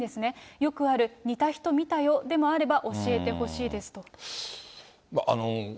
よくある似た人見たよでもあれば教えてほしいですと。